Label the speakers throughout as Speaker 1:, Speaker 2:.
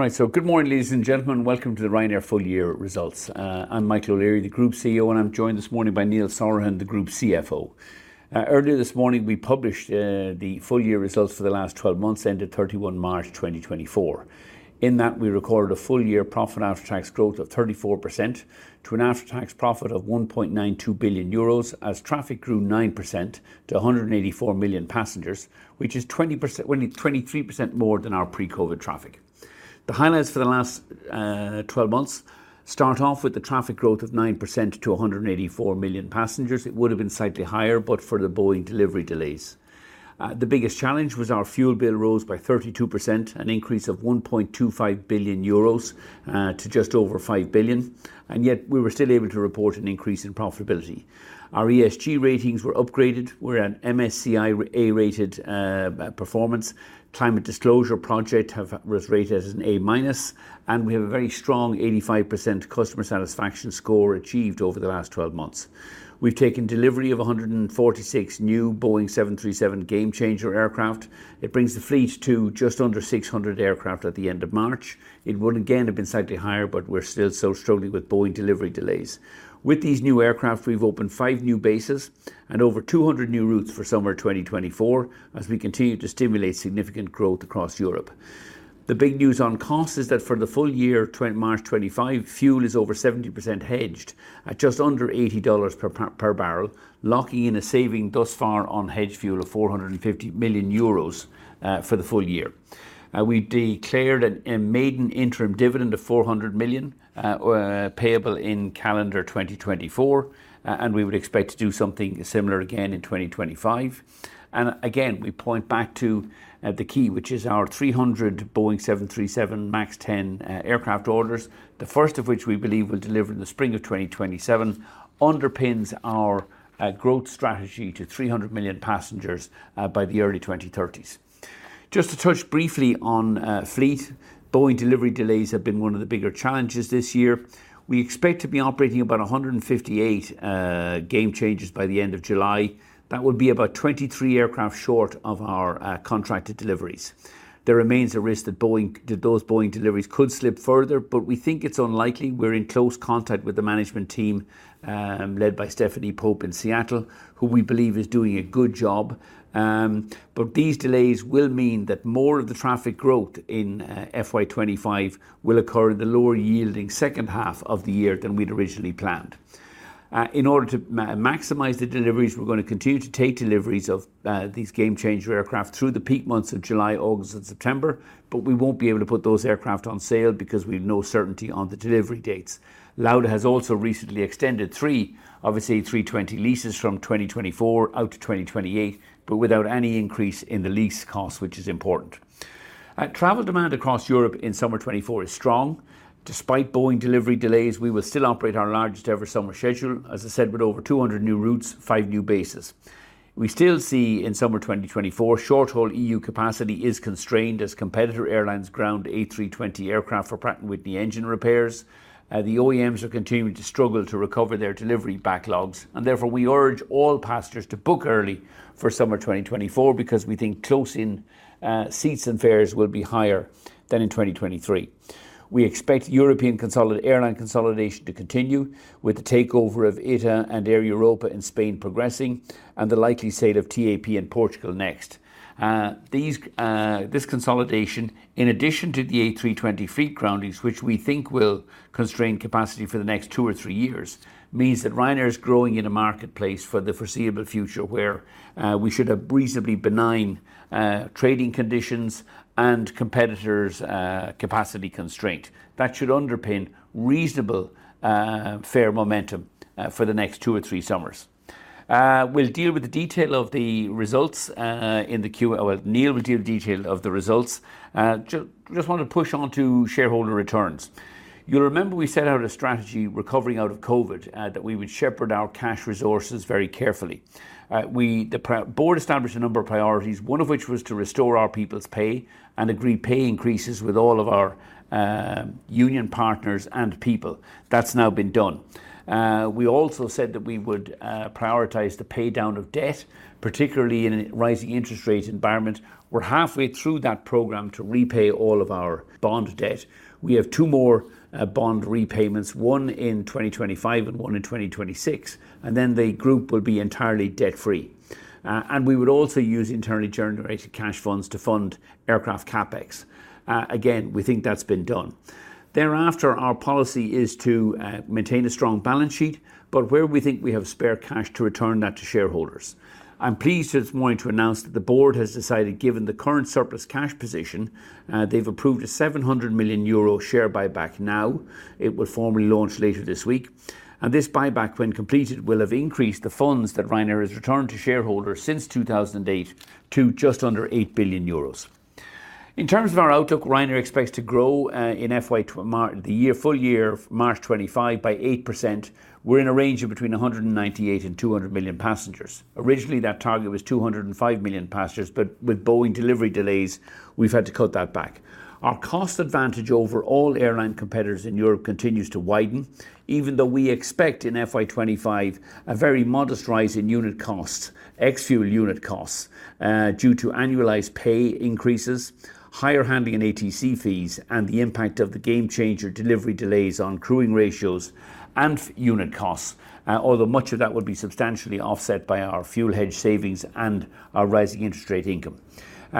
Speaker 1: All right, so good morning, ladies and gentlemen. Welcome to the Ryanair full-year results. I'm Michael O'Leary, the Group CEO, and I'm joined this morning by Neil Sorahan, the Group CFO. Earlier this morning, we published the full-year results for the last 12 months, ending 31 March 2024. In that, we recorded a full-year profit after tax growth of 34% to an after-tax profit of 1.92 billion euros, as traffic grew 9% to 184 million passengers, which is 20%-23% more than our pre-COVID traffic. The highlights for the last 12 months start off with the traffic growth of 9% to 184 million passengers. It would've been slightly higher but for the Boeing delivery delays. The biggest challenge was our fuel bill rose by 32%, an increase of 1.25 billion euros, to just over 5 billion, and yet we were still able to report an increase in profitability. Our ESG ratings were upgraded. We're an MSCI A-rated performance. Carbon Disclosure Project was rated as an A minus, and we have a very strong 85% customer satisfaction score achieved over the last 12 months. We've taken delivery of 146 new Boeing 737 Gamechanger aircraft. It brings the fleet to just under 600 aircraft at the end of March. It would, again, have been slightly higher, but we're still so struggling with Boeing delivery delays. With these new aircraft, we've opened five new bases and over 200 new routes for summer 2024 as we continue to stimulate significant growth across Europe. The big news on cost is that for the full year, March 2025, fuel is over 70% hedged at just under $80 per barrel, locking in a saving thus far on hedged fuel of 450 million euros for the full year. We declared a maiden interim dividend of 400 million, payable in calendar 2024, and we would expect to do something similar again in 2025. Again, we point back to the key, which is our 300 Boeing 737 MAX 10 aircraft orders, the first of which we believe will deliver in the spring of 2027, underpins our growth strategy to 300 million passengers by the early 2030s. Just to touch briefly on fleet, Boeing delivery delays have been one of the bigger challenges this year. We expect to be operating about 158 Gamechangers by the end of July. That will be about 23 aircraft short of our contracted deliveries. There remains a risk that those Boeing deliveries could slip further, but we think it's unlikely. We're in close contact with the management team led by Stephanie Pope in Seattle, who we believe is doing a good job. But these delays will mean that more of the traffic growth in FY 2025 will occur in the lower-yielding second half of the year than we'd originally planned. In order to maximize the deliveries, we're gonna continue to take deliveries of these Gamechanger aircraft through the peak months of July, August, and September, but we won't be able to put those aircraft on sale because we've no certainty on the delivery dates. Lauda has also recently extended 3 of its A320 leases from 2024 out to 2028, but without any increase in the lease cost, which is important. Travel demand across Europe in summer 2024 is strong. Despite Boeing delivery delays, we will still operate our largest-ever summer schedule, as I said, with over 200 new routes, 5 new bases. We still see, in summer 2024, short-haul EU capacity is constrained as competitor airlines ground A320 aircraft for Pratt & Whitney engine repairs. The OEMs are continuing to struggle to recover their delivery backlogs, and therefore, we urge all passengers to book early for summer 2024 because we think close-in seats and fares will be higher than in 2023. We expect European airline consolidation to continue with the takeover of ITA and Air Europa in Spain progressing and the likely sale of TAP in Portugal next. These. This consolidation, in addition to the A320 fleet groundings, which we think will constrain capacity for the next 2-3 years, means that Ryanair is growing in a marketplace for the foreseeable future, where we should have reasonably benign trading conditions and competitors' capacity constraint. That should underpin reasonable fare momentum for the next 2-3 summers. We'll deal with the detail of the results. Neil will deal with detail of the results. Just want to push on to shareholder returns. You'll remember we set out a strategy recovering out of COVID that we would shepherd our cash resources very carefully. We, the board established a number of priorities, one of which was to restore our people's pay and agreed pay increases with all of our, union partners and people. That's now been done. We also said that we would, prioritize the paydown of debt, particularly in a rising interest rate environment. We're halfway through that program to repay all of our bond debt. We have two more, bond repayments, one in 2025 and one in 2026, and then the group will be entirely debt-free. We would also use internally generated cash funds to fund aircraft CapEx. Again, we think that's been done. Thereafter, our policy is to, maintain a strong balance sheet, but where we think we have spare cash, to return that to shareholders. I'm pleased at this point to announce that the board has decided, given the current surplus cash position, they've approved a 700 million euro share buyback now. It will formally launch later this week, and this buyback, when completed, will have increased the funds that Ryanair has returned to shareholders since 2008 to just under 8 billion euros. In terms of our outlook, Ryanair expects to grow in FY March the year, full year of March 2025 by 8%. We're in a range of between 198 and 200 million passengers. Originally, that target was 205 million passengers, but with Boeing delivery delays, we've had to cut that back. Our cost advantage over all airline competitors in Europe continues to widen, even though we expect in FY 2025, a very modest rise in unit costs, ex-fuel unit costs, due to annualized pay increases, higher handling and ATC fees, and the impact of the Gamechanger delivery delays on crewing ratios and unit costs. Although much of that would be substantially offset by our fuel hedge savings and our rising interest rate income.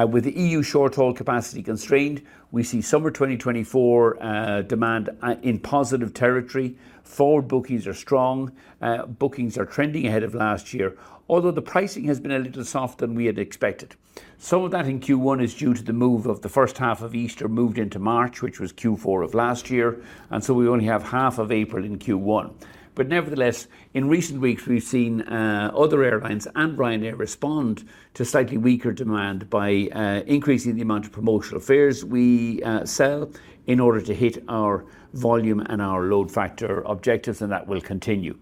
Speaker 1: With the EU short-haul capacity constrained, we see summer 2024 demand in positive territory. Forward bookings are strong. Bookings are trending ahead of last year, although the pricing has been a little soft than we had expected. Some of that in Q1 is due to the move of the first half of Easter, moved into March, which was Q4 of last year, and so we only have half of April in Q1. But nevertheless, in recent weeks, we've seen other airlines and Ryanair respond to slightly weaker demand by increasing the amount of promotional fares we sell in order to hit our volume and our load factor objectives, and that will continue.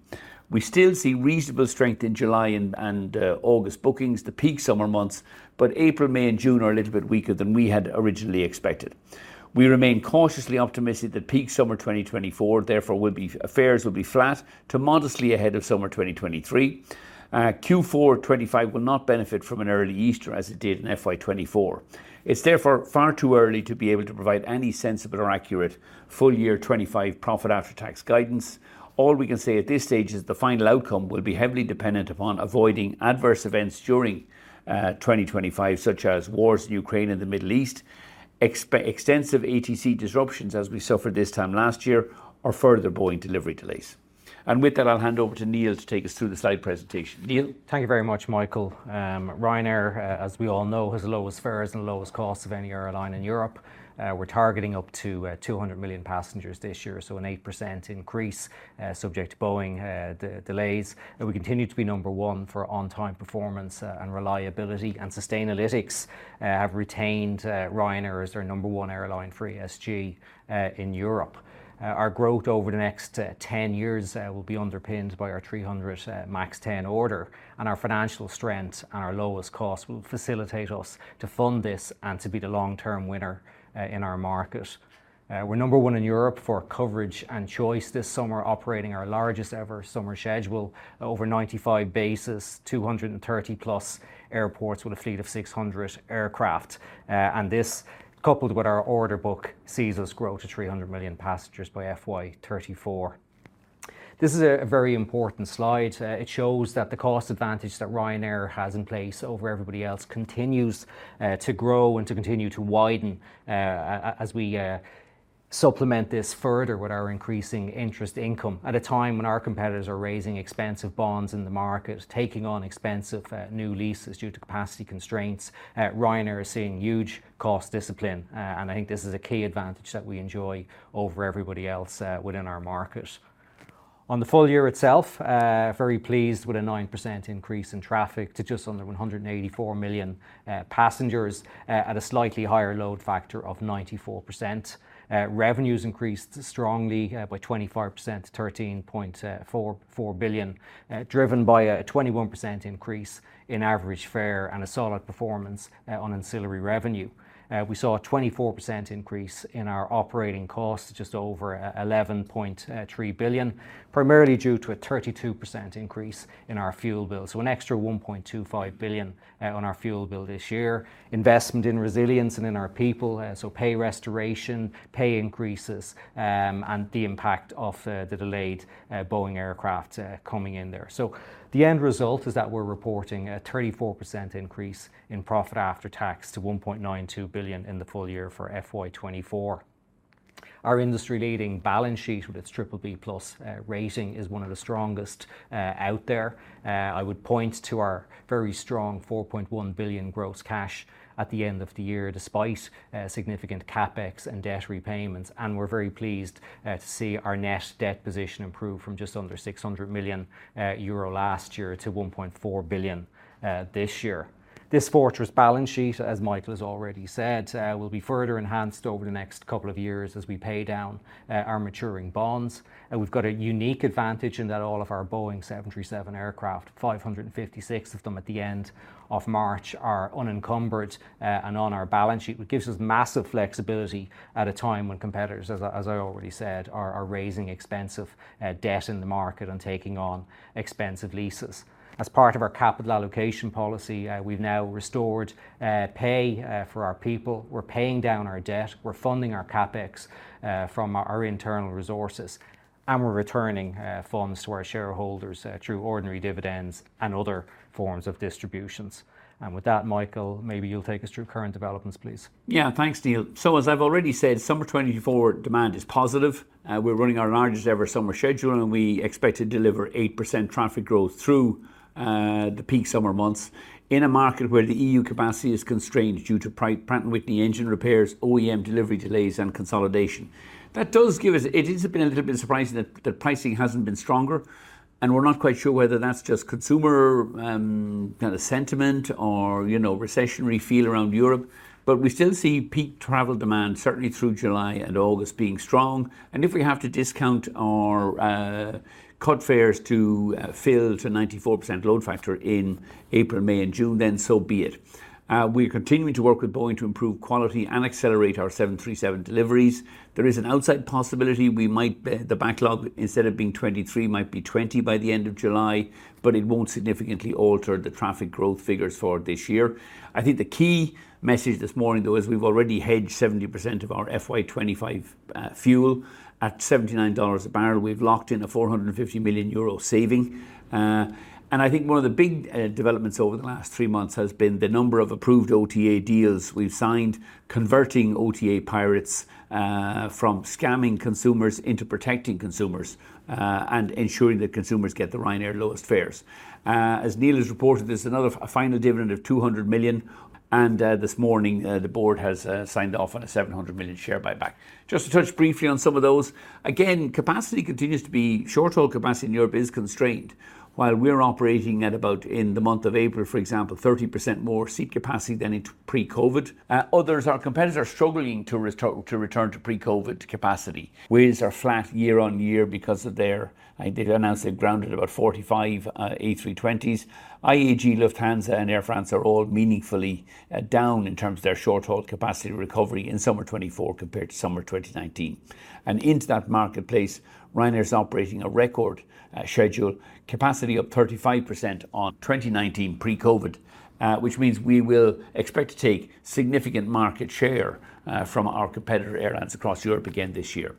Speaker 1: We still see reasonable strength in July and August bookings, the peak summer months, but April, May, and June are a little bit weaker than we had originally expected. We remain cautiously optimistic that peak summer 2024, therefore, will be, fares will be flat to modestly ahead of summer 2023. Q4 2025 will not benefit from an early Easter as it did in FY 2024. It's therefore far too early to be able to provide any sensible or accurate full year 2025 profit after tax guidance. All we can say at this stage is the final outcome will be heavily dependent upon avoiding adverse events during 2025, such as wars in Ukraine and the Middle East, extensive ATC disruptions as we suffered this time last year, or further Boeing delivery delays. And with that, I'll hand over to Neil to take us through the slide presentation. Neil?
Speaker 2: Thank you very much, Michael. Ryanair, as we all know, has the lowest fares and lowest costs of any airline in Europe. We're targeting up to 200 million passengers this year, so an 8% increase, subject to Boeing delays. We continue to be number one for on-time performance and reliability. Sustainalytics have retained Ryanair as their number one airline for ESG in Europe. Our growth over the next 10 years will be underpinned by our 300 MAX 10 order, and our financial strength and our lowest cost will facilitate us to fund this and to be the long-term winner in our market. We're number one in Europe for coverage and choice this summer, operating our largest-ever summer schedule, over 95 bases, 230+ airports with a fleet of 600 aircraft. And this, coupled with our order book, sees us grow to 300 million passengers by FY 2034. This is a very important slide. It shows that the cost advantage that Ryanair has in place over everybody else continues to grow and to continue to widen, as we supplement this further with our increasing interest income. At a time when our competitors are raising expensive bonds in the market, taking on expensive new leases due to capacity constraints, Ryanair is seeing huge cost discipline, and I think this is a key advantage that we enjoy over everybody else within our market. On the full year itself, very pleased with a 9% increase in traffic to just under 184 million passengers, at a slightly higher load factor of 94%. Revenues increased strongly by 25% to 13.44 billion, driven by a 21% increase in average fare and a solid performance on ancillary revenue. We saw a 24% increase in our operating costs to just over 11.3 billion, primarily due to a 32% increase in our fuel bill, so an extra 1.25 billion on our fuel bill this year. Investment in resilience and in our people, so pay restoration, pay increases, and the impact of the delayed Boeing aircraft coming in there. So the end result is that we're reporting a 34% increase in profit after tax to 1.92 billion in the full year for FY 2024. Our industry-leading balance sheet, with its BBB+ rating, is one of the strongest out there. I would point to our very strong 4.1 billion gross cash at the end of the year, despite significant CapEx and debt repayments. And we're very pleased to see our net debt position improve from just under 600 million euro last year to 1.4 billion this year. This fortress balance sheet, as Michael has already said, will be further enhanced over the next couple of years as we pay down our maturing bonds. And we've got a unique advantage in that all of our Boeing 737 aircraft, 556 of them at the end of March, are unencumbered and on our balance sheet, which gives us massive flexibility at a time when competitors, as I already said, are raising expensive debt in the market and taking on expensive leases. As part of our capital allocation policy, we've now restored pay for our people. We're paying down our debt, we're funding our CapEx from our internal resources, and we're returning funds to our shareholders through ordinary dividends and other forms of distributions. With that, Michael, maybe you'll take us through current developments, please.
Speaker 1: Yeah. Thanks, Neil. So as I've already said, summer 2024 demand is positive. We're running our largest-ever summer schedule, and we expect to deliver 8% traffic growth through the peak summer months in a market where the EU capacity is constrained due to Pratt & Whitney engine repairs, OEM delivery delays, and consolidation. That does give us. It has been a little bit surprising that pricing hasn't been stronger, and we're not quite sure whether that's just consumer kind of sentiment or, you know, recessionary feel around Europe. But we still see peak travel demand, certainly through July and August, being strong. And if we have to discount or cut fares to fill to 94% load factor in April, May, and June, then so be it. We're continuing to work with Boeing to improve quality and accelerate our 737 deliveries. There is an outside possibility we might – the backlog, instead of being 23, might be 20 by the end of July, but it won't significantly alter the traffic growth figures for this year. I think the key message this morning, though, is we've already hedged 70% of our FY 2025 fuel at $79 a barrel. We've locked in a 450 million euro saving. And I think one of the big developments over the last three months has been the number of approved OTA deals we've signed, converting OTA pirates from scamming consumers into protecting consumers, and ensuring that consumers get the Ryanair lowest fares. As Neil has reported, there's another, a final dividend of 200 million, and this morning, the board has signed off on a 700 million share buyback. Just to touch briefly on some of those, again, short-haul capacity in Europe is constrained. While we're operating at about, in the month of April, for example, 30% more seat capacity than in pre-COVID, others, our competitors are struggling to return to pre-COVID capacity. Wizz are flat year-on-year because of their... They announced they've grounded about 45 A320s. IAG, Lufthansa, and Air France are all meaningfully down in terms of their short-haul capacity recovery in summer 2024 compared to summer 2019. And into that marketplace, Ryanair's operating a record schedule, capacity up 35% on 2019 pre-COVID, which means we will expect to take significant market share from our competitor airlines across Europe again this year.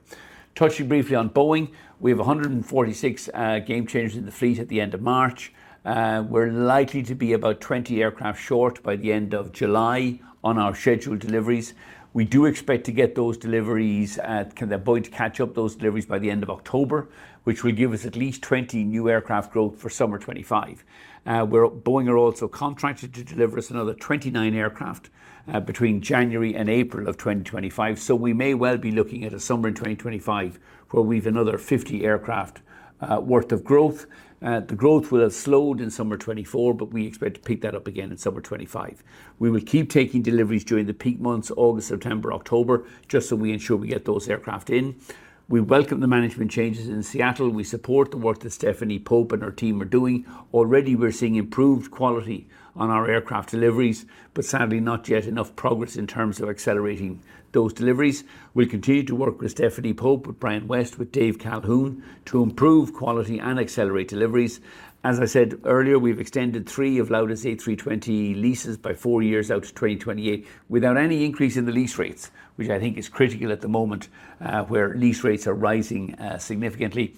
Speaker 1: Touching briefly on Boeing, we have 146 Gamechangers in the fleet at the end of March. We're likely to be about 20 aircraft short by the end of July on our scheduled deliveries. We do expect to get those deliveries at... Boeing to catch up those deliveries by the end of October, which will give us at least 20 new aircraft growth for summer 2025. Boeing are also contracted to deliver us another 29 aircraft between January and April of 2025, so we may well be looking at a summer in 2025 where we've another 50 aircraft worth of growth. The growth will have slowed in summer 2024, but we expect to pick that up again in summer 2025. We will keep taking deliveries during the peak months, August, September, October, just so we ensure we get those aircraft in. We welcome the management changes in Seattle. We support the work that Stephanie Pope and her team are doing. Already, we're seeing improved quality on our aircraft deliveries, but sadly, not yet enough progress in terms of accelerating those deliveries. We'll continue to work with Stephanie Pope, with Brian West, with Dave Calhoun, to improve quality and accelerate deliveries. As I said earlier, we've extended 3 of Lauda's A320 leases by 4 years out to 2028 without any increase in the lease rates, which I think is critical at the moment, where lease rates are rising, significantly.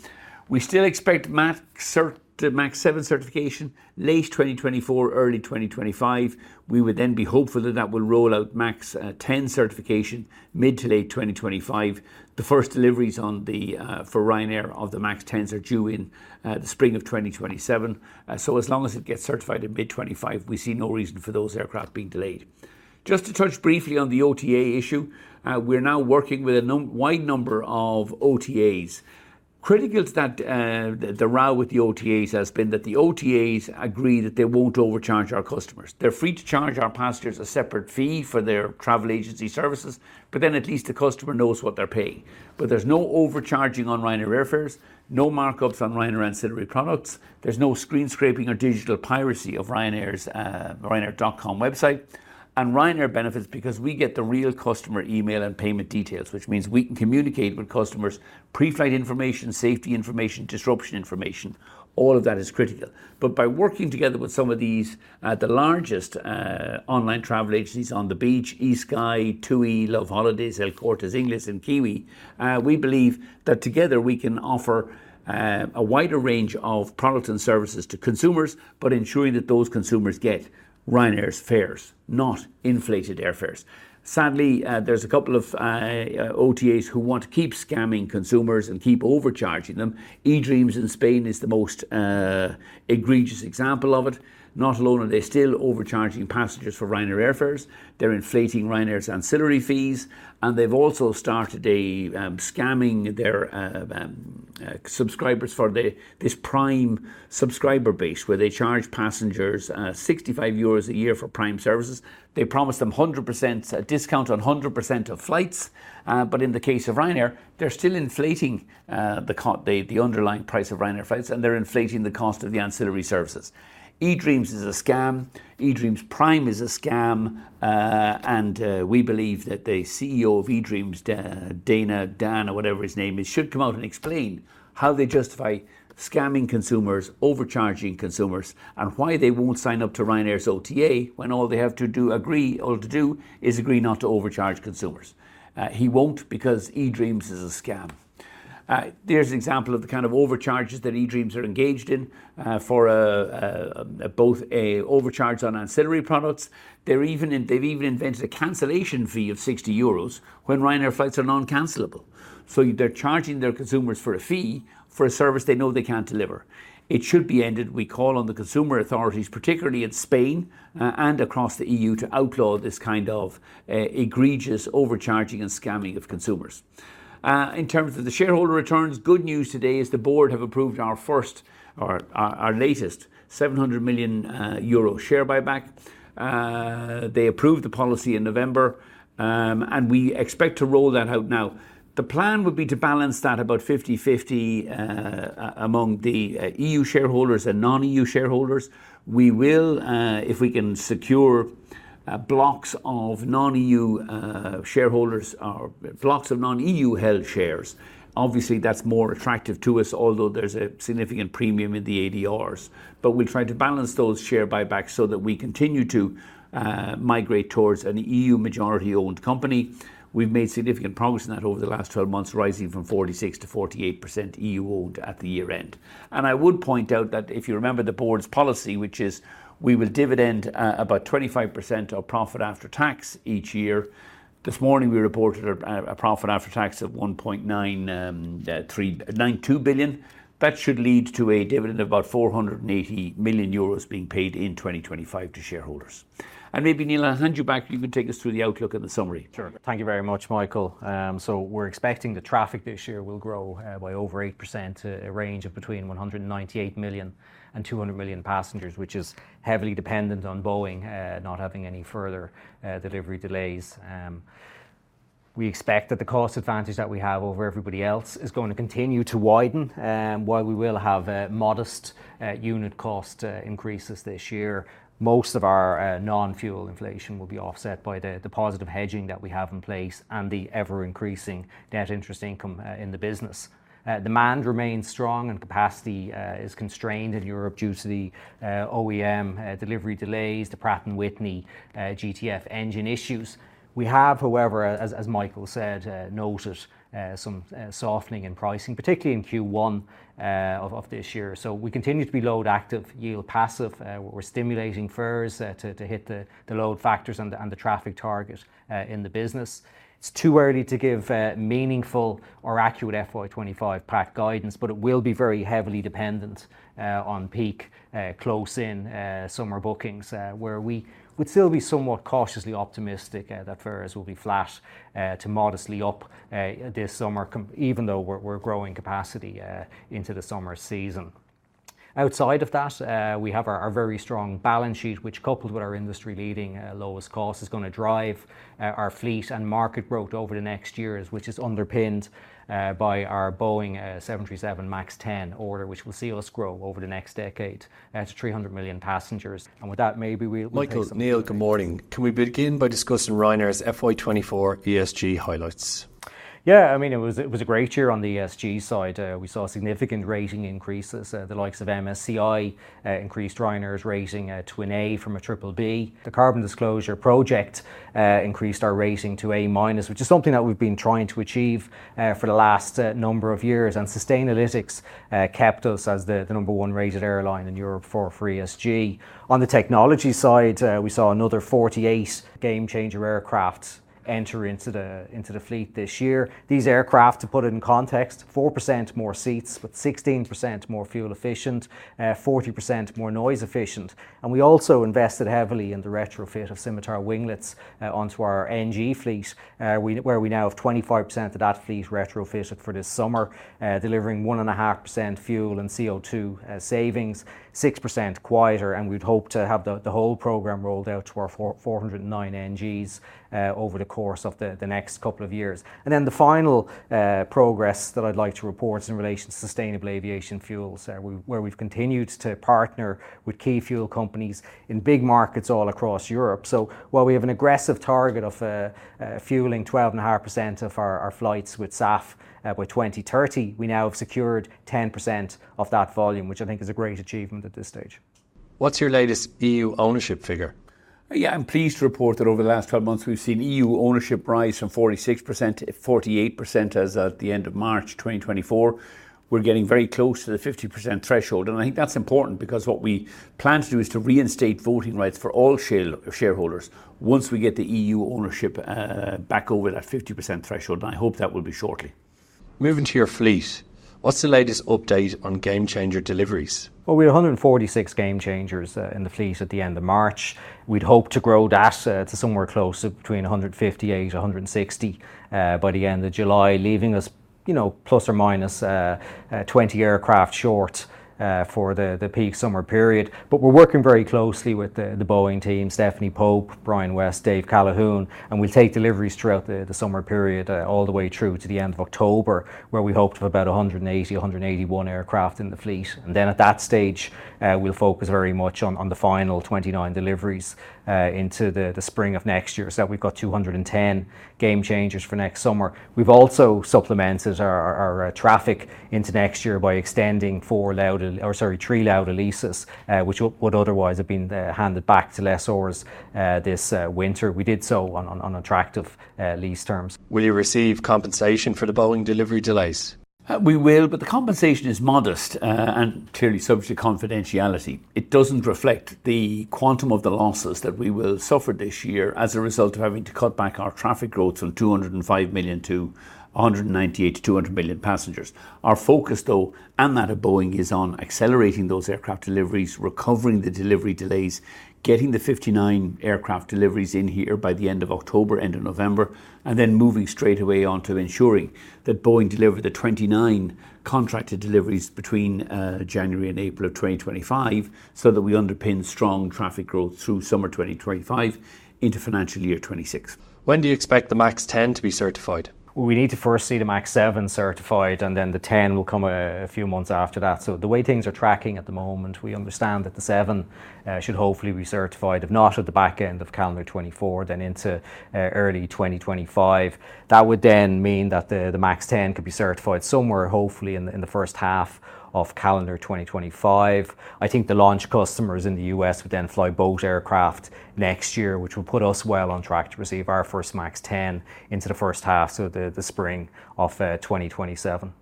Speaker 1: We still expect MAX cert, the MAX 7 certification late 2024, early 2025. We would then be hopeful that that will roll out MAX 10 certification mid to late 2025. The first deliveries on the for Ryanair of the MAX 10s are due in the spring of 2027. So as long as it gets certified in mid 2025, we see no reason for those aircraft being delayed. Just to touch briefly on the OTA issue, we're now working with a number of OTAs. Critical to that, the row with the OTAs has been that the OTAs agree that they won't overcharge our customers. They're free to charge our passengers a separate fee for their travel agency services, but then at least the customer knows what they're paying. But there's no overcharging on Ryanair airfares, no markups on Ryanair ancillary products. There's no screen scraping or digital piracy of Ryanair's, ryanair.com website. And Ryanair benefits because we get the real customer email and payment details, which means we can communicate with customers pre-flight information, safety information, disruption information. All of that is critical. But by working together with some of these, the largest, online travel agencies, On the Beach, eSky, TUI, Loveholidays, El Corte Inglés, and Kiwi, we believe that together we can offer, a wider range of products and services to consumers, but ensuring that those consumers get Ryanair's fares, not inflated airfares. Sadly, there's a couple of, OTAs who want to keep scamming consumers and keep overcharging them. eDreams in Spain is the most, egregious example of it. Not only are they still overcharging passengers for Ryanair airfares, they're inflating Ryanair's ancillary fees, and they've also started scamming their subscribers for this Prime subscriber base, where they charge passengers 65 euros a year for Prime services. They promise them 100% discount on 100% of flights. But in the case of Ryanair, they're still inflating the underlying price of Ryanair flights, and they're inflating the cost of the ancillary services. eDreams is a scam. eDreams Prime is a scam. And we believe that the CEO of eDreams, Dana, Dan, or whatever his name is, should come out and explain how they justify scamming consumers, overcharging consumers, and why they won't sign up to Ryanair's OTA when all they have to do is agree not to overcharge consumers. He won't, because eDreams is a scam. There's an example of the kind of overcharges that eDreams are engaged in, for both an overcharge on ancillary products. They've even invented a cancellation fee of 60 euros when Ryanair flights are non-cancellable. So they're charging their consumers for a fee for a service they know they can't deliver. It should be ended. We call on the consumer authorities, particularly in Spain and across the EU, to outlaw this kind of egregious overcharging and scamming of consumers. In terms of the shareholder returns, good news today is the board have approved our first... or our, our latest 700 million euro share buyback. They approved the policy in November, and we expect to roll that out now. The plan would be to balance that about 50/50 among the EU shareholders and non-EU shareholders. We will, if we can secure, blocks of non-EU shareholders or blocks of non-EU-held shares, obviously, that's more attractive to us, although there's a significant premium in the ADRs. But we'll try to balance those share buybacks so that we continue to migrate towards an EU majority-owned company. We've made significant progress in that over the last 12 months, rising from 46%-48% EU-owned at the year-end. And I would point out that if you remember the board's policy, which is we will dividend about 25% of profit after tax each year. This morning, we reported a profit after tax of 1.392 billion. That should lead to a dividend of about 480 million euros being paid in 2025 to shareholders. Maybe, Neil, I'll hand you back. You can take us through the outlook and the summary.
Speaker 2: Sure. Thank you very much, Michael. So we're expecting the traffic this year will grow by over 8%, a range of between 198 million and 200 million passengers, which is heavily dependent on Boeing not having any further delivery delays. We expect that the cost advantage that we have over everybody else is going to continue to widen. While we will have a modest unit cost increases this year, most of our non-fuel inflation will be offset by the positive hedging that we have in place and the ever-increasing net interest income in the business. Demand remains strong, and capacity is constrained in Europe due to the OEM delivery delays, the Pratt & Whitney GTF engine issues. We have, however, as Michael said, noted some softening in pricing, particularly in Q1 of this year. So we continue to be load active, yield passive. We're stimulating fares to hit the load factors and the traffic target in the business. It's too early to give meaningful or accurate FY25 PAX guidance, but it will be very heavily dependent on peak close-in summer bookings, where we would still be somewhat cautiously optimistic that fares will be flat to modestly up this summer, even though we're growing capacity into the summer season. Outside of that, we have our, our very strong balance sheet, which, coupled with our industry-leading, lowest cost, is gonna drive, our fleet and market growth over the next years, which is underpinned, by our Boeing 737 MAX 10 order, which will see us grow over the next decade, to 300 million passengers. And with that, maybe we, we'll take some-
Speaker 3: Michael, Neil, good morning. Can we begin by discussing Ryanair's FY2024 ESG highlights?
Speaker 2: Yeah. I mean, it was a great year on the ESG side. We saw significant rating increases. The likes of MSCI increased Ryanair's rating to an A from a triple B. The Carbon Disclosure Project increased our rating to A minus, which is something that we've been trying to achieve for the last number of years. And Sustainalytics kept us as the number-one-rated airline in Europe for our ESG. On the technology side, we saw another 48 Gamechanger aircraft enter into the fleet this year. These aircraft, to put it in context, 4% more seats, but 16% more fuel efficient, 40% more noise efficient. And we also invested heavily in the retrofit of Scimitar Winglets onto our NG fleet, we. where we now have 25% of that fleet retrofitted for this summer, delivering 1.5% fuel and CO2 savings, 6% quieter, and we'd hope to have the whole program rolled out to our 409 NGs over the course of the next couple of years. Then the final progress that I'd like to report is in relation to sustainable aviation fuels, where we've continued to partner with key fuel companies in big markets all across Europe. So while we have an aggressive target of fueling 12.5% of our flights with SAF by 2030, we now have secured 10% of that volume, which I think is a great achievement at this stage.
Speaker 3: What's your latest EU ownership figure?
Speaker 1: Yeah, I'm pleased to report that over the last 12 months, we've seen EU ownership rise from 46% to 48%, as at the end of March 2024. We're getting very close to the 50% threshold, and I think that's important because what we plan to do is to reinstate voting rights for all shareholders once we get the EU ownership back over that 50% threshold, and I hope that will be shortly.
Speaker 3: Moving to your fleet, what's the latest update on Gamechanger deliveries?
Speaker 2: Well, we had 146 Gamechangers in the fleet at the end of March. We'd hope to grow the assets somewhere close to between 158-160 by the end of July, leaving us, you know, plus or minus 20 aircraft short for the peak summer period. But we're working very closely with the Boeing team, Stephanie Pope, Brian West, Dave Calhoun, and we'll take deliveries throughout the summer period all the way through to the end of October, where we hope to have about 180-181 aircraft in the fleet. And then at that stage, we'll focus very much on the final 29 deliveries into the spring of next year. So we've got 210 Gamechangers for next summer. We've also supplemented our traffic into next year by extending four Lauda—or sorry, three Lauda leases, which would otherwise have been handed back to lessors this winter. We did so on attractive lease terms.
Speaker 3: Will you receive compensation for the Boeing delivery delays?
Speaker 1: We will, but the compensation is modest, and clearly subject to confidentiality. It doesn't reflect the quantum of the losses that we will suffer this year as a result of having to cut back our traffic growth from 205 million to 198-200 million passengers. Our focus, though, and that of Boeing, is on accelerating those aircraft deliveries, recovering the delivery delays, getting the 59 aircraft deliveries in here by the end of October, end of November, and then moving straightaway on to ensuring that Boeing deliver the 29 contracted deliveries between January and April of 2025, so that we underpin strong traffic growth through summer 2025 into financial year 2026.
Speaker 3: When do you expect the MAX 10 to be certified?
Speaker 2: Well, we need to first see the MAX 7 certified, and then the 10 will come a few months after that. So the way things are tracking at the moment, we understand that the 7 should hopefully be certified, if not at the back end of calendar 2024, then into early 2025. That would then mean that the MAX 10 could be certified somewhere hopefully in the first half of calendar 2025. I think the launch customers in the U.S. would then fly both aircraft next year, which will put us well on track to receive our first MAX 10 into the first half, so the spring of 2027.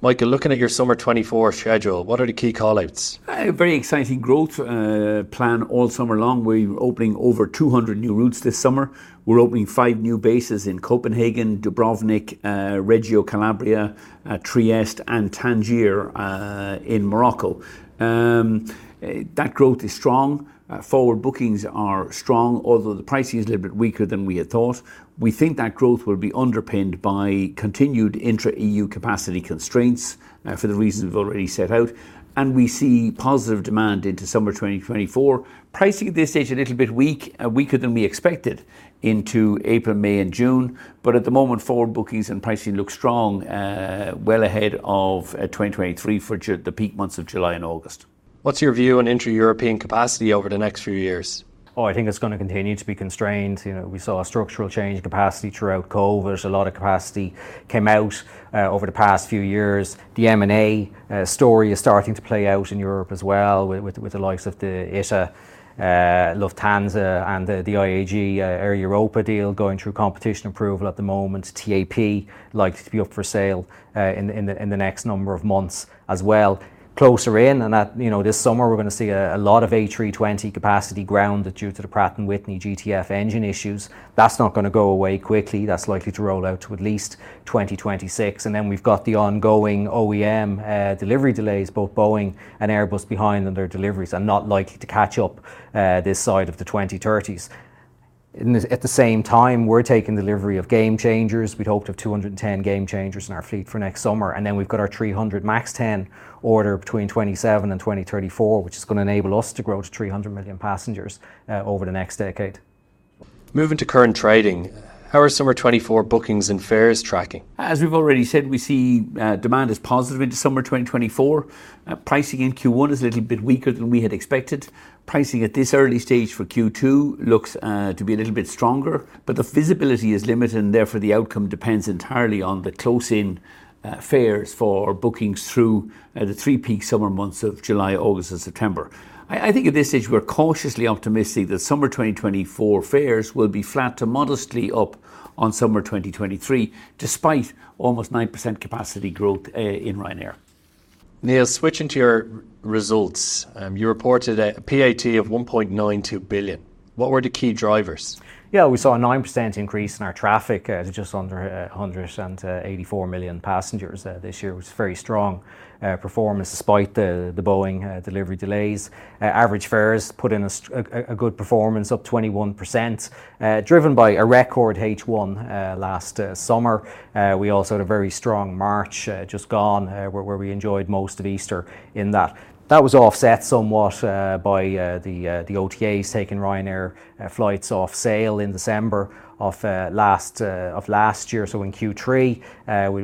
Speaker 3: Michael, looking at your summer 2024 schedule, what are the key call-outs?
Speaker 1: Very exciting growth plan all summer long. We're opening over 200 new routes this summer. We're opening five new bases in Copenhagen, Dubrovnik, Reggio Calabria, Trieste, and Tangier in Morocco. That growth is strong. Forward bookings are strong, although the pricing is a little bit weaker than we had thought. We think that growth will be underpinned by continued intra-EU capacity constraints for the reasons we've already set out, and we see positive demand into summer 2024. Pricing at this stage a little bit weak, weaker than we expected into April, May, and June, but at the moment, forward bookings and pricing look strong, well ahead of 2023 for the peak months of July and August.
Speaker 3: What's your view on intra-European capacity over the next few years?
Speaker 2: Oh, I think it's gonna continue to be constrained. You know, we saw a structural change in capacity throughout COVID. A lot of capacity came out over the past few years. The M&A story is starting to play out in Europe as well, with the likes of the ITA, Lufthansa, and the IAG, Air Europa deal going through competition approval at the moment. TAP likes to be up for sale in the next number of months as well. Closer in, and that... You know, this summer we're gonna see a lot of A320 capacity grounded due to the Pratt & Whitney GTF engine issues. That's not gonna go away quickly. That's likely to roll out to at least 2026. And then we've got the ongoing OEM delivery delays, both Boeing and Airbus behind on their deliveries and not likely to catch up this side of the 2030s. And at the same time, we're taking delivery of Gamechangers. We'd hope to have 210 Gamechangers in our fleet for next summer, and then we've got our 300 MAX 10 order between 2027 and 2034, which is gonna enable us to grow to 300 million passengers over the next decade.
Speaker 3: Moving to current trading, how are summer 2024 bookings and fares tracking?
Speaker 1: As we've already said, we see, demand is positive into summer 2024. Pricing in Q1 is a little bit weaker than we had expected. Pricing at this early stage for Q2 looks to be a little bit stronger, but the visibility is limited, and therefore the outcome depends entirely on the close-in fares for bookings through the three peak summer months of July, August, and September. I, I think at this stage we're cautiously optimistic that summer 2024 fares will be flat to modestly up on summer 2023, despite almost 9% capacity growth in Ryanair.
Speaker 3: Neil, switching to your results, you reported a PAT of 1.92 billion. What were the key drivers?
Speaker 2: Yeah, we saw a 9% increase in our traffic to just under 184 million passengers this year. It was a very strong performance despite the Boeing delivery delays. Average fares put in a good performance, up 21%, driven by a record H1 last summer. We also had a very strong March just gone, where we enjoyed most of Easter in that. That was offset somewhat by the OTAs taking Ryanair flights off sale in December of last year, so in Q3,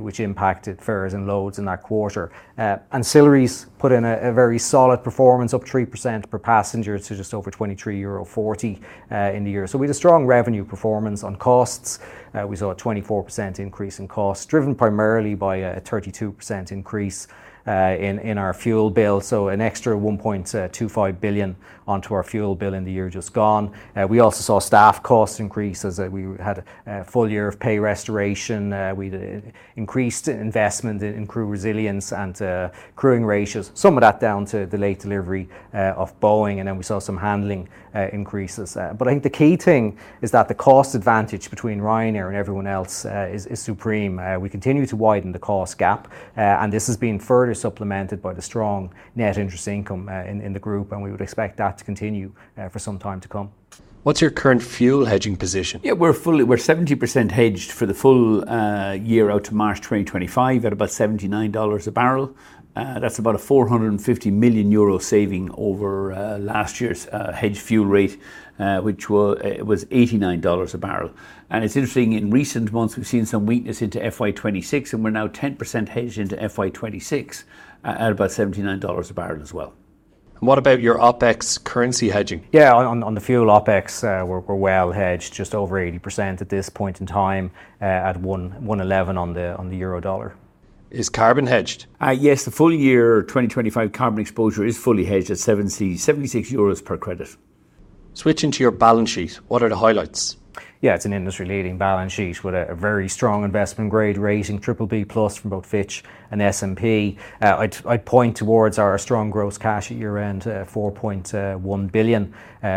Speaker 2: which impacted fares and loads in that quarter. Ancillaries put in a very solid performance, up 3% per passenger to just over 23.40 euro in the year. So we had a strong revenue performance on costs. We saw a 24% increase in costs, driven primarily by a 32% increase in our fuel bill, so an extra 1.25 billion onto our fuel bill in the year just gone. We also saw staff cost increases that we had a full year of pay restoration. We'd increased investment in crew resilience and crewing ratios, some of that down to the late delivery of Boeing, and then we saw some handling increases. But I think the key thing is that the cost advantage between Ryanair and everyone else is supreme. We continue to widen the cost gap, and this is being further supplemented by the strong net interest income in the group, and we would expect that to continue for some time to come.
Speaker 3: What's your current fuel hedging position?
Speaker 1: Yeah, we're 70% hedged for the full year out to March 2025 at about $79 a barrel. That's about a 450 million euro saving over last year's hedged fuel rate, which was $89 a barrel. And it's interesting, in recent months, we've seen some weakness into FY26, and we're now 10% hedged into FY26 at about $79 a barrel as well.
Speaker 3: What about your OPEX currency hedging?
Speaker 2: Yeah, on the fuel OpEx, we're well hedged, just over 80% at this point in time, at 1.11 on the euro/dollar.
Speaker 3: Is carbon hedged?
Speaker 1: Yes, the full year 2025 carbon exposure is fully hedged at €70-€76 per credit.
Speaker 3: Switching to your balance sheet, what are the highlights?
Speaker 2: Yeah, it's an industry-leading balance sheet with a very strong investment grade rating, triple B plus from both Fitch and S&P. I'd point towards our strong gross cash at year-end, 4.1 billion,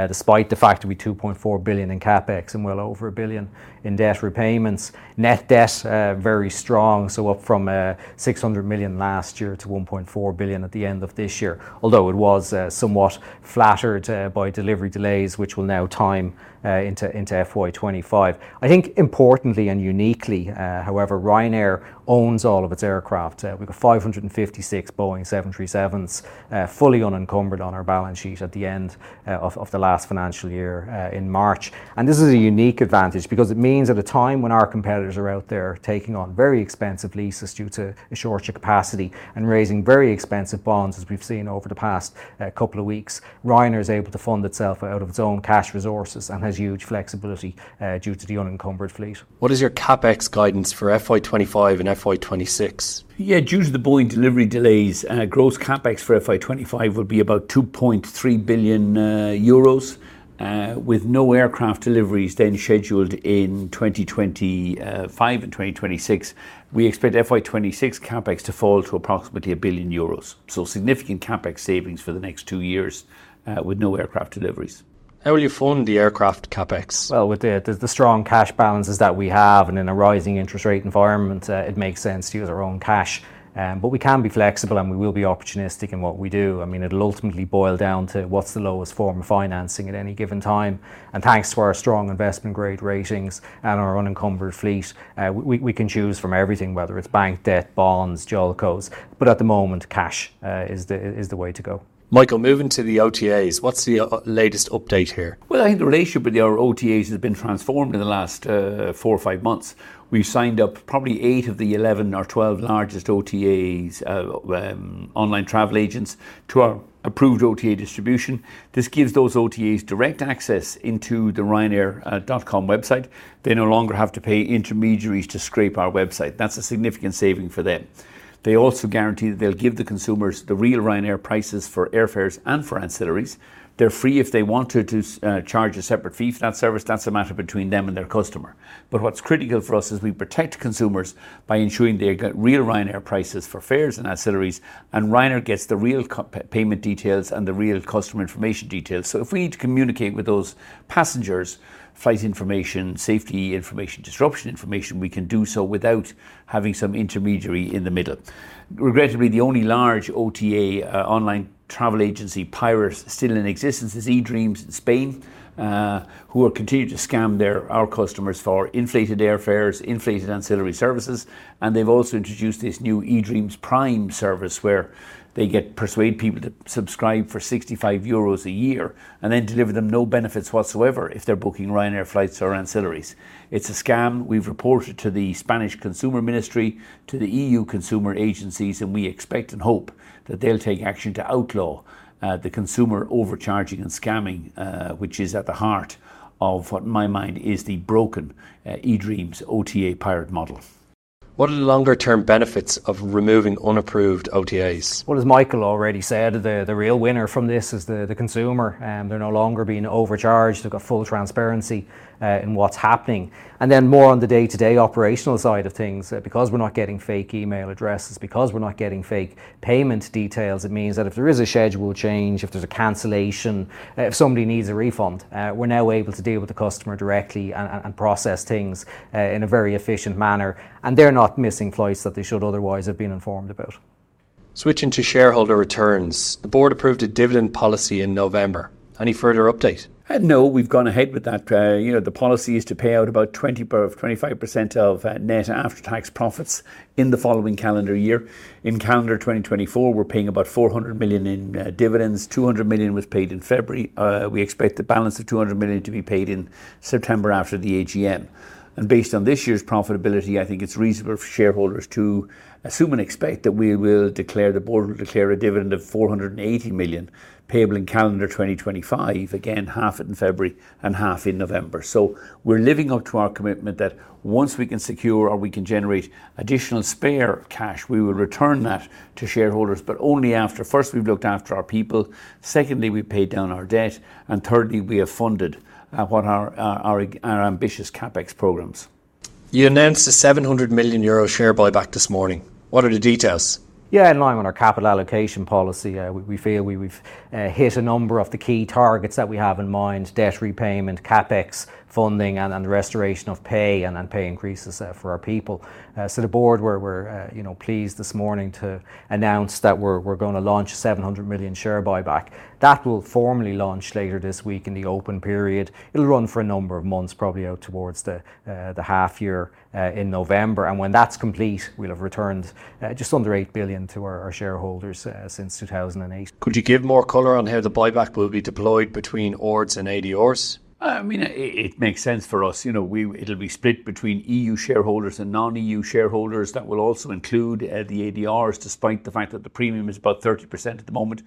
Speaker 2: despite the fact that we 2.4 billion in CapEx and well over 1 billion in debt repayments. Net debt, very strong, so up from 600 million last year to 1.4 billion at the end of this year. Although it was somewhat flattered by delivery delays, which will now time into FY25. I think importantly and uniquely, however, Ryanair owns all of its aircraft. We've got 556 Boeing 737s, fully unencumbered on our balance sheet at the end of the last financial year, in March. This is a unique advantage because it means at a time when our competitors are out there taking on very expensive leases due to a shortage of capacity and raising very expensive bonds, as we've seen over the past couple of weeks, Ryanair is able to fund itself out of its own cash resources and has huge flexibility due to the unencumbered fleet.
Speaker 3: What is your CapEx guidance for FY2025 and FY2026?
Speaker 1: Yeah, due to the Boeing delivery delays, gross CapEx for FY25 will be about 2.3 billion euros, with no aircraft deliveries then scheduled in 2025 and 2026. We expect FY26 CapEx to fall to approximately 1 billion euros. So significant CapEx savings for the next two years, with no aircraft deliveries.
Speaker 3: How will you fund the aircraft CapEx?
Speaker 1: Well, with the strong cash balances that we have, and in a rising interest rate environment, it makes sense to use our own cash. But we can be flexible, and we will be opportunistic in what we do. I mean, it'll ultimately boil down to what's the lowest form of financing at any given time. And thanks to our strong investment grade ratings and our unencumbered fleet, we can choose from everything, whether it's bank debt, bonds, JOLCOs. But at the moment, cash is the way to go.
Speaker 3: Michael, moving to the OTAs, what's the latest update here?
Speaker 1: Well, I think the relationship with the OTAs has been transformed in the last four or five months. We've signed up probably 8 of the 11 or 12 largest OTAs, online travel agents, to our approved OTA distribution. This gives those OTAs direct access into the ryanair.com website. They no longer have to pay intermediaries to scrape our website. That's a significant saving for them. They also guarantee that they'll give the consumers the real Ryanair prices for airfares and for ancillaries. They're free if they wanted to charge a separate fee for that service, that's a matter between them and their customer. But what's critical for us is we protect consumers by ensuring they get real Ryanair prices for fares and ancillaries, and Ryanair gets the real customer payment details and the real customer information details. So if we need to communicate with those passengers, flight information, safety information, disruption information, we can do so without having some intermediary in the middle. Regrettably, the only large OTA, online travel agency pirate still in existence is eDreams in Spain, who will continue to scam their... our customers for inflated airfares, inflated ancillary services, and they've also introduced this new eDreams Prime service, where they persuade people to subscribe for 65 euros a year and then deliver them no benefits whatsoever if they're booking Ryanair flights or ancillaries. It's a scam. We've reported to the Spanish Consumer Ministry, to the EU consumer agencies, and we expect and hope that they'll take action to outlaw, the consumer overcharging and scamming, which is at the heart of what, in my mind, is the broken, eDreams OTA pirate model.
Speaker 3: What are the longer-term benefits of removing unapproved OTAs?
Speaker 2: Well, as Michael already said, the real winner from this is the consumer. They're no longer being overcharged. They've got full transparency in what's happening. And then more on the day-to-day operational side of things, because we're not getting fake email addresses, because we're not getting fake payment details, it means that if there is a schedule change, if there's a cancellation, if somebody needs a refund, we're now able to deal with the customer directly and process things in a very efficient manner, and they're not missing flights that they should otherwise have been informed about.
Speaker 3: Switching to shareholder returns, the Board approved a dividend policy in November. Any further update?
Speaker 1: No, we've gone ahead with that. You know, the policy is to pay out about 20%-25% of net after-tax profits in the following calendar year. In calendar 2024, we're paying about 400 million in dividends. 200 million was paid in February. We expect the balance of 200 million to be paid in September after the AGM. Based on this year's profitability, I think it's reasonable for shareholders to assume and expect that we will declare, the board will declare a dividend of 480 million, payable in calendar 2025, again, half in February and half in November. So we're living up to our commitment that once we can secure or we can generate additional spare cash, we will return that to shareholders, but only after, first, we've looked after our people, secondly, we've paid down our debt, and thirdly, we have funded what our ambitious CapEx programs.
Speaker 3: You announced a 700 million euro share buyback this morning. What are the details?
Speaker 2: Yeah, in line with our capital allocation policy, we feel we've hit a number of the key targets that we have in mind: debt repayment, CapEx funding, and restoration of pay, and then pay increases for our people. So the board, we're pleased this morning to announce that we're gonna launch a 700 million share buyback. That will formally launch later this week in the open period. It'll run for a number of months, probably out towards the half year in November, and when that's complete, we'll have returned just under 8 billion to our shareholders since 2008.
Speaker 3: Could you give more color on how the buyback will be deployed between ORs and ADRs?
Speaker 1: I mean, it makes sense for us. You know, we'll split it between EU shareholders and non-EU shareholders. That will also include the ADRs, despite the fact that the premium is about 30% at the moment.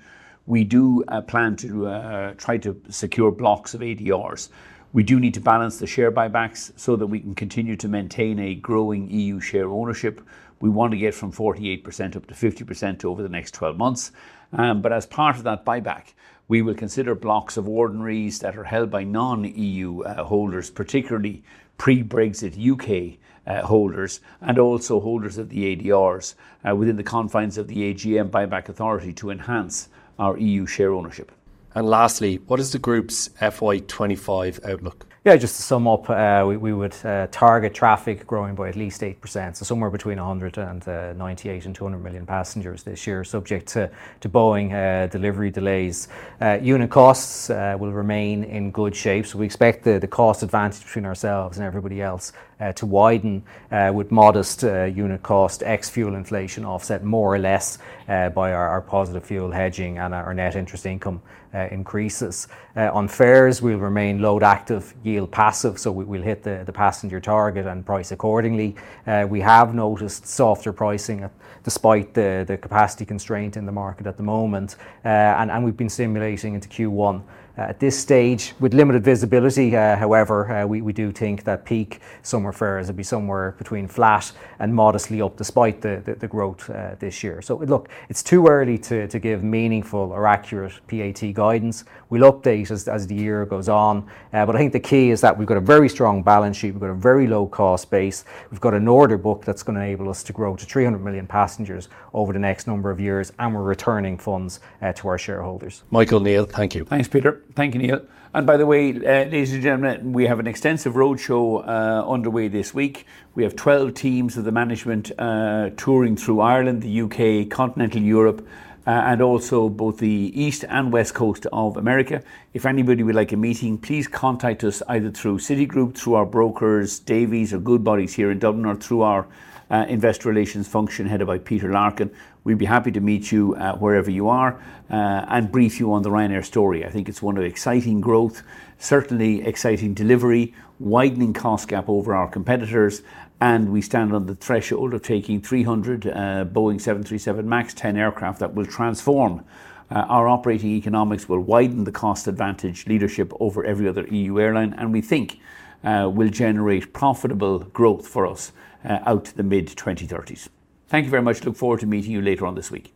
Speaker 1: We do plan to try to secure blocks of ADRs. We do need to balance the share buybacks so that we can continue to maintain a growing EU share ownership. We want to get from 48% up to 50% over the next 12 months. But as part of that buyback, we will consider blocks of ordinaries that are held by non-EU holders, particularly pre-Brexit U.K. holders, and also holders of the ADRs, within the confines of the AGM buyback authority to enhance our EU share ownership.
Speaker 3: Lastly, what is the group's FY25 outlook?
Speaker 2: Yeah, just to sum up, we would target traffic growing by at least 8%, so somewhere between 98 and 200 million passengers this year, subject to Boeing delivery delays. Unit costs will remain in good shape. So we expect the cost advantage between ourselves and everybody else to widen with modest unit cost ex-fuel inflation offset more or less by our positive fuel hedging and our net interest income increases. On fares, we'll remain load active, yield passive, so we'll hit the passenger target and price accordingly. We have noticed softer pricing, despite the capacity constraint in the market at the moment. And we've been simulating into Q1. At this stage, with limited visibility, however, we do think that peak summer fares will be somewhere between flat and modestly up, despite the growth this year. So look, it's too early to give meaningful or accurate PAT guidance. We'll update as the year goes on. But I think the key is that we've got a very strong balance sheet. We've got a very low-cost base. We've got an order book that's gonna enable us to grow to 300 million passengers over the next number of years, and we're returning funds to our shareholders.
Speaker 3: Michael, Neil, thank you.
Speaker 1: Thanks, Peter. Thank you, Neil. And by the way, ladies and gentlemen, we have an extensive roadshow, underway this week. We have 12 teams of the management, touring through Ireland, the U.K., Continental Europe, and also both the East and West Coast of America. If anybody would like a meeting, please contact us either through Citigroup, through our brokers, Davy or Goodbody here in Dublin, or through our, investor relations function, headed by Peter Larkin. We'd be happy to meet you, wherever you are, and brief you on the Ryanair story. I think it's one of exciting growth, certainly exciting delivery, widening cost gap over our competitors, and we stand on the threshold of taking 300 Boeing 737 MAX 10 aircraft that will transform our operating economics, will widen the cost advantage leadership over every other EU airline, and we think will generate profitable growth for us out to the mid-2030s. Thank you very much. Look forward to meeting you later on this week.